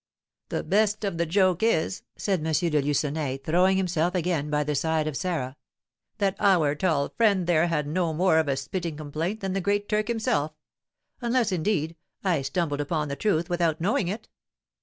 "The best of the joke is," said M. de Lucenay, throwing himself again by the side of Sarah, "that our tall friend there had no more of a spitting complaint than the great Turk himself, unless, indeed, I stumbled upon the truth without knowing it.